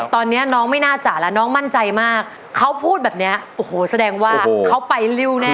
ตอนนี้น้องไม่น่าจะแล้วน้องมั่นใจมากเขาพูดแบบเนี้ยโอ้โหแสดงว่าเขาไปริ้วแน่